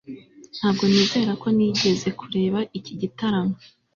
ntabwo nizera ko nigeze kureba iki gitaramo